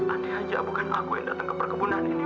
aneh aja bukan aku yang datang ke perkebunan ini